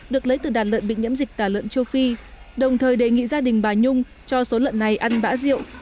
được lấy từ đàn lợn bị nhiễm dịch tả lợn châu phi đồng thời đề nghị gia đình bà nhung cho số lợn này ăn bã rượu